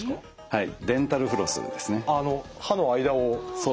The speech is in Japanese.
はい。